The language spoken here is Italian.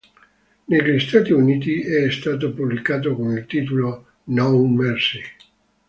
Negli Stati Uniti è stato pubblicato con il titolo No Mercy.